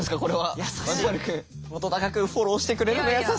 本君フォローしてくれるの優しい。